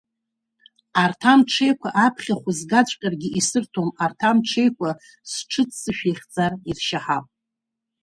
Арҭ амҽеиқәа аԥхьахә згаҵәҟьаргьы исырҭом, арҭ амҽеиқәа сҽы-ццышә иахьӡар, иршьаҳап.